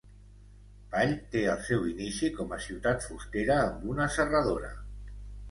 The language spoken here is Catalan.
Ball te el seu inici com a ciutat fustera amb una serradora.